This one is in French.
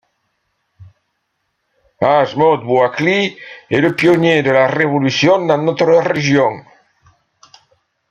Haj Mohdh Bouakli, est le pionnier de la révolution dans notre région.